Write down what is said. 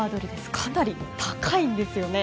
かなり高いんですよね。